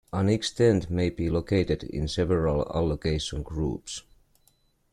An extent may be located in several allocation groups.